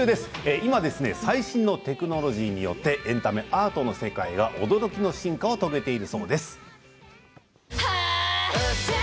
今、最新のテクノロジーによってエンタメ、アートの世界が驚きの進化を遂げているそうです。